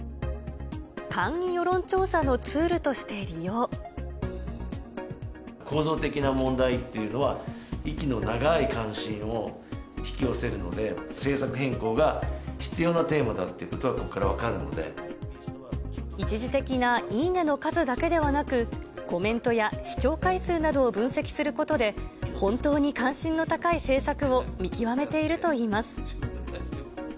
簡易世論調査のツールとして構造的な問題っていうのは、息の長い関心を引き寄せるので、政策変更が必要なテーマだという一時的ないいねの数だけではなく、コメントや視聴回数などを分析することで、本当に関心の高い政策を見極めているといいます。